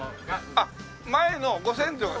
あっ前のご先祖が？